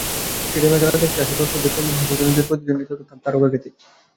স্টেডিয়ামে খেলা দেখতে আসা দর্শকদের তুমুল হর্ষধ্বনিতে প্রতিধ্বনিত হতো তাঁর তারকাখ্যাতি।